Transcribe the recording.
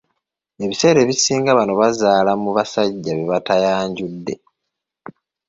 Ebisera ebisinga bano bazaala mu basajja be batayanjudde.